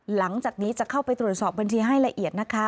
หลังจากนี้จะเข้าไปตรวจสอบบัญชีให้ละเอียดนะคะ